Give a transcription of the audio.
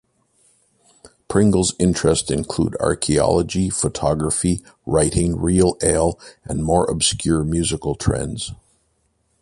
Pringle's interests include archaeology, photography, writing, real ale, and more obscure musical trends.